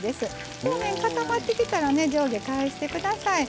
表面が固まってきたら上下を返してください。